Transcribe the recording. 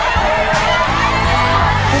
อีก๒ถุง